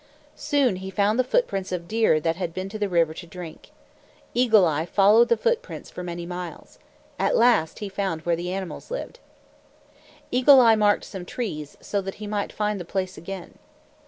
Soon he found the footprints of deer that had been to the river to drink. Eagle Eye followed the footprints for many miles. At last he found where the animals lived. Eagle Eye marked some trees, so that he might find the place again.